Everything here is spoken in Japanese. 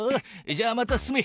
じゃあまた進め。